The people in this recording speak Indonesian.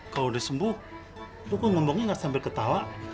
kalau udah sembuh lo kok ngomongnya nggak sampai ketawa